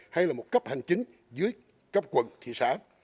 hay là một cấp hành chính dưới cấp quận thị xã